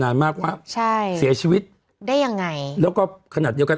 นานมากว่าใช่เสียชีวิตได้ยังไงแล้วก็ขนาดเดียวกัน